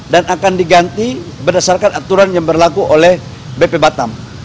dan akan diganti berdasarkan aturan yang berlaku oleh bp batam